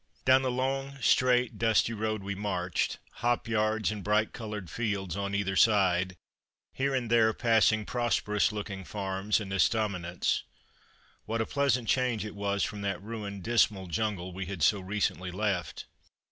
Down the long, straight, dusty road we marched, hop yards and bright coloured fields on either side, here and there passing prosperous looking farms and estaminets: what a pleasant change it was from that ruined, dismal jungle we had so recently left!